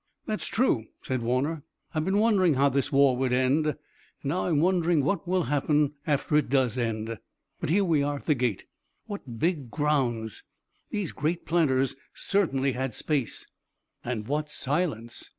"That's true," said Warner. "I've been wondering how this war would end, and now I'm wondering what will happen after it does end. But here we are at the gate. What big grounds! These great planters certainly had space!" "And what silence!"